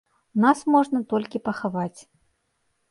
Нас можна толькі пахаваць.